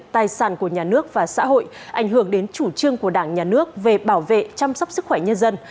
tài sản của nhà nước và xã hội ảnh hưởng đến chủ trương của đảng nhà nước về bảo vệ chăm sóc sức khỏe nhân dân